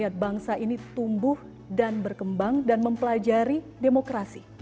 niat bangsa ini tumbuh dan berkembang dan mempelajari demokrasi